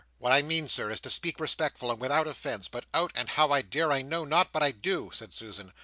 "What I mean, Sir, is to speak respectful and without offence, but out, and how I dare I know not but I do!" said Susan.